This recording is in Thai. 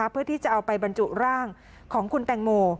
เพื่อที่จะเอาไปบรรจุร่างของคุณแตงโม